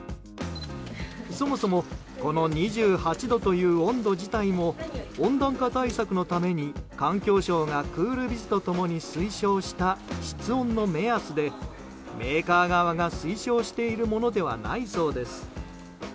そもそもこの２８度という温度自体も温暖化対策のために環境省がクールビズと共に推奨した室温の目安でメーカー側が推奨しているものではないそうです。